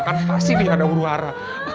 kan pasti dia ada huru hara